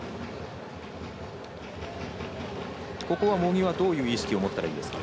ここは茂木はどういう意識を持ったらいいですか。